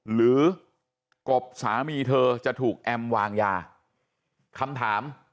กบสามีเธอจะถูกแอมวางยาคำถาม